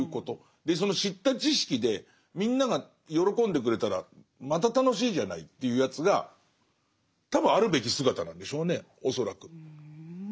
でその知った知識でみんなが喜んでくれたらまた楽しいじゃないっていうやつが多分あるべき姿なんでしょうね恐らく。